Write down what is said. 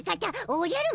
おじゃる。